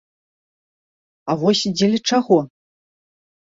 А вось дзеля чаго?